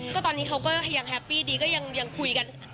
ก็ตอนนี้เขาก็ยังแฮปปี้ดีก็ยังคุยกัน